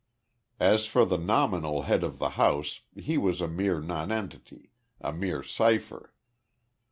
As for the nominal head of the house he was a mere nonentity, a mere cipher.